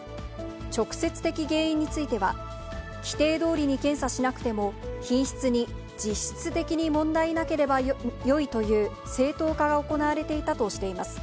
直接的原因については、規定どおりに検査しなくても、品質に実質的に問題なければよいという正当化が行われていたとしています。